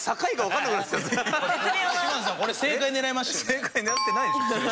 正解狙ってないでしょ。